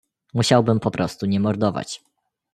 "Musiałbym po prostu nie mordować."